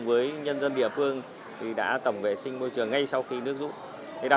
và nhân dân huyện trường mỹ dọn dẹp vệ sinh môi trường đường làng ngõ xóm